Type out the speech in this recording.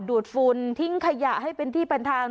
ดฝุ่นทิ้งขยะให้เป็นที่เป็นทาง